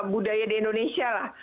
budaya di indonesia lah